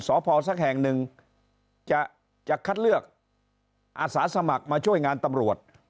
สพสักแห่งหนึ่งจะคัดเลือกอาสาสมัครมาช่วยงานตำรวจ